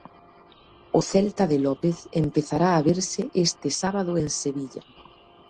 O Celta de López empezará a verse este sábado en Sevilla.